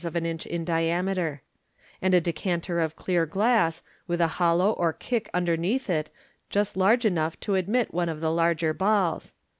4*7 of an inch in diameter) and a decanter of clear glass, with a hollow or w kick ,f underneath it just large enough to admit one of the larger balls.